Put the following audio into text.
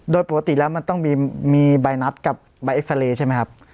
โดยปกติแล้วมันต้องมีใบนัดกับใบเอ็กซาเรย์ใช่ไหมครับ